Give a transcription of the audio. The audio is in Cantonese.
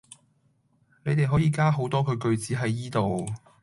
你哋可以加好多句句子喺依度